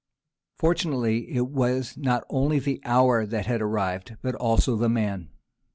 Fortunately it was not only the hour that had arrived, but also the man.